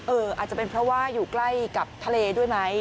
อาจจะเป็นเพราะว่าอยู่ใกล้กับทะเลด้วยไหม